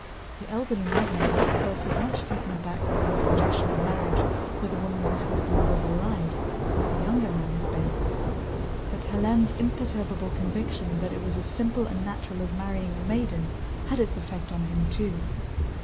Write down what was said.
The elderly magnate was at first as much taken aback by this suggestion of marriage with a woman whose husband was alive, as the younger man had been, but Hélène's imperturbable conviction that it was as simple and natural as marrying a maiden had its effect on him too.